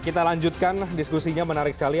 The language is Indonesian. kita lanjutkan diskusinya menarik sekali